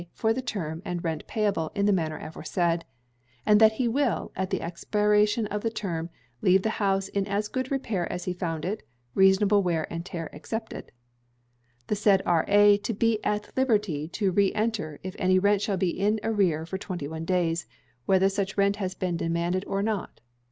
for the term and rent payable in manner aforesaid; and that he will, at the expiration of the term, leave the house in as good repair as he found it [reasonable wear and tear excepted]. The said R.A. to be at liberty to re enter, if any rent shall be in arrear for 21 days, whether such rent has been demanded or not.